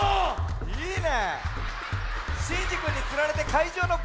いいね。